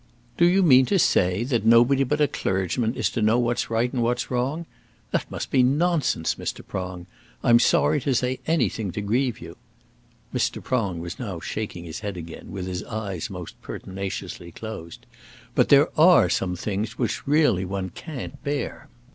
"Do you mean to say that nobody but a clergyman is to know what's right and what's wrong? That must be nonsense, Mr. Prong. I'm sorry to say anything to grieve you, " Mr. Prong was now shaking his head again, with his eyes most pertinaciously closed, "but there are some things which really one can't bear."